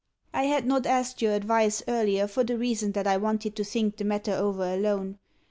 I had not asked your advice earlier for the reason that I wanted to think the matter over alone.